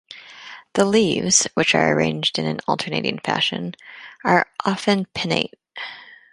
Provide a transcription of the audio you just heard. The leaves, which are arranged in an alternating fashion, are often pinnate.